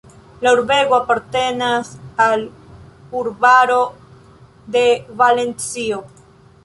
La urbego apartenas al urbaro de Valencio.